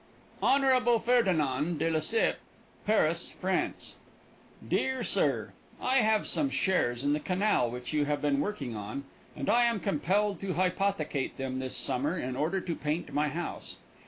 Hon. Ferdinand de Lesseps, Paris, France: DEAR SIR I have some shares in the canal which you have been working on, and I am compelled to hypothecate them this summer, in order to paint my house.